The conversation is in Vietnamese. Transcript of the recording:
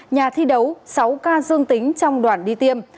nhà thi đấu sáu ca dương tính trong đoàn đi tiêm